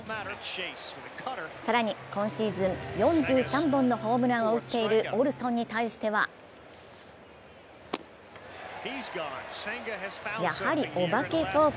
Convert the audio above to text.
更に、今シーズン４３本のホームランを打っているオルソンに対しては、やはり、お化けフォーク。